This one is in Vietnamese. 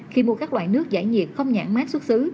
khi mua các loại nước giải nhiệt không nhãn mát xuất xứ